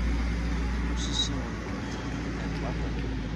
Ussisen-nwent akk ddan baṭel.